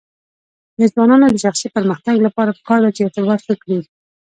د ځوانانو د شخصي پرمختګ لپاره پکار ده چې ارتباط ښه کړي.